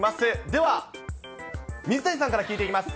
では、水谷さんから聞いていきます。